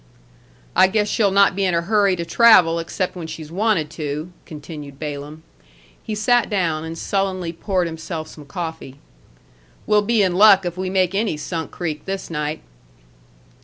"I guess she'll not be in a hurry to travel except when she's wanted to," continued Balaam. He sat down, and sullenly poured himself some coffee. "We'll be in luck if we make any Sunk Creek this night."